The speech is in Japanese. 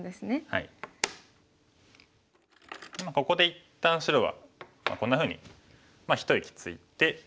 ここで一旦白はこんなふうに一息ついて。